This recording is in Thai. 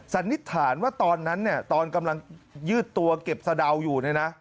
สันนิษฐานว่าตอนนั้นเนี่ยตอนกำลังยืดตัวเก็บสะดาวอยู่เนี่ยนะ